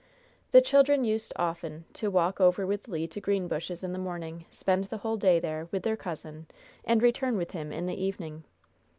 The children used often to walk over with Le to Greenbushes in the morning, spend the whole day there with their cousin, and return with him in the evening.